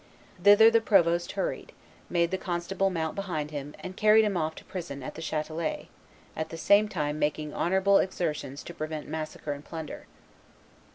Thither the provost hurried, made the constable mount behind him, and carried him off to prison at the Chatelet, at the same time making honorable exertions to prevent massacre and plunder.